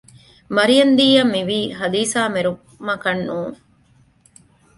މަރިޔަންދީ އަށް މިވީ ހަލީސާ މެރުމަކަށް ނޫން